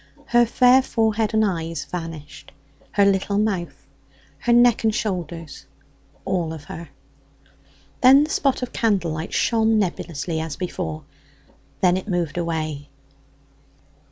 Her fair forehead and eyes vanished; her little mouth; her neck and shoulders; all of her. Then the spot of candlelight shone nebulously as before; then it moved away.